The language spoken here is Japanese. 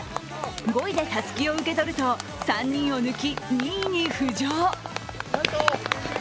５位でたすきを受け取ると３人を抜き２位に浮上。